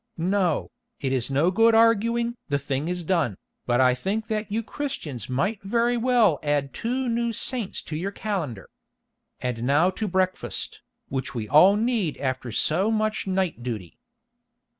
No, it is no good arguing the thing is done, but I think that you Christians might very well add two new saints to your calendar. And now to breakfast, which we all need after so much night duty."